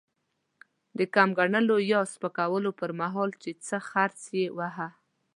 د کم ګڼلو يا سپکولو پر مهال؛ چې څه خرج يې وواهه.